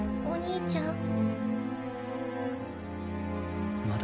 お兄ちゃん？